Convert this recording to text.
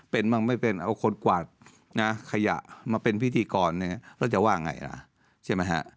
เป็นบ้างไม่เป็นเอาคนกวาดนะขยะมาเป็นพิธีกรเนี่ยแล้วจะว่าไงล่ะใช่ไหมฮะ